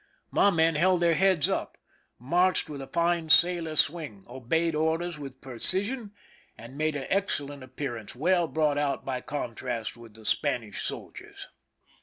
My men held their heads up, marched with a fine sailor swing, obeyed orders with precision, and made an excellent appearance, well brought out by contrast with the Spanish soldiers.